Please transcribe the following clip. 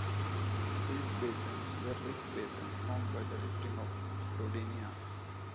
These basins were rift basins formed by the rifting of Rodinia.